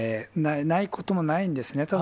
ないこともないんですね。